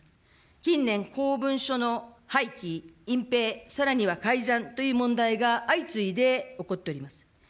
近年、公文書の廃棄、隠蔽、さらには改ざんという問題が相次いで起こっております。